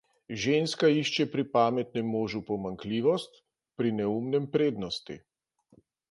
Ženska išče pri pametnem možu pomanjkljivost, pri neumnem prednosti.